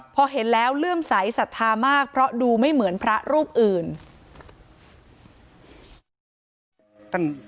พอเห็นแล้วเลื่อมใสสัทธามากเพราะดูไม่เหมือนพระรูปอื่น